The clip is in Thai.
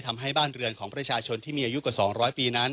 ทำให้บ้านเรือนของประชาชนที่มีอายุกว่า๒๐๐ปีนั้น